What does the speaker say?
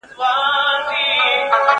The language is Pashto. زه چي زهر داسي خورم د موږكانو